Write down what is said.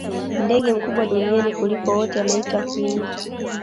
ndege mkubwa duniani kuliko wote anaitwa kiwi